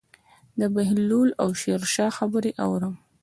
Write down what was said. د بهلول او شیرشاه خبرې اورم.